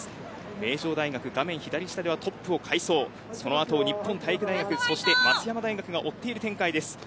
名城大学は画面左下ではトップを快走その後を日本体育大学松山大学が追っています。